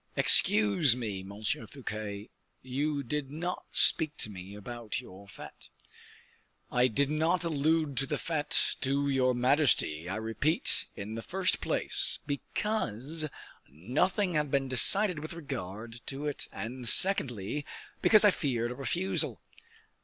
"Excuse me, Monsieur Fouquet, you did not speak to me about your fete." "I did not allude to the fete to your majesty, I repeat, in the first place, because nothing had been decided with regard to it, and, secondly, because I feared a refusal."